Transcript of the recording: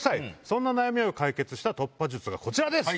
そんな悩みを解決した突破術がこちらです。